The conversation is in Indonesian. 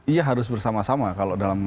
iya harus bersama sama